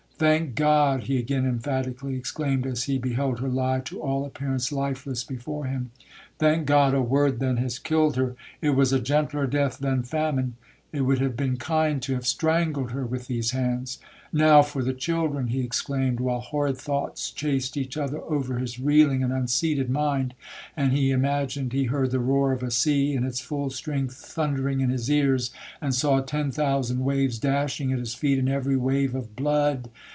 'Thank God!' he again emphatically exclaimed, as he beheld her lie to all appearance lifeless before him. 'Thank God a word then has killed her,—it was a gentler death than famine! It would have been kind to have strangled her with these hands! Now for the children!' he exclaimed, while horrid thoughts chased each other over his reeling and unseated mind, and he imagined he heard the roar of a sea in its full strength thundering in his ears, and saw ten thousand waves dashing at his feet, and every wave of blood.